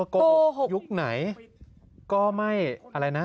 โกหกยุคไหนก็ไม่อะไรนะ